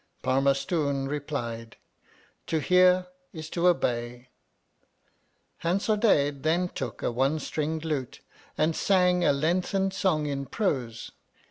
Parmarstoon replied, To hear is to obey. Hansardadade then took a one stringed lute, and sang a lengthened song in prose.